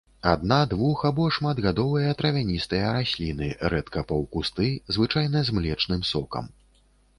Адна-, двух- або шматгадовыя травяністыя расліны, рэдка паўкусты, звычайна з млечным сокам.